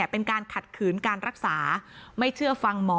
เป็นการขัดขืนการรักษาไม่เชื่อฟังหมอ